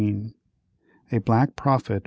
A BLACK PROPHET, MR.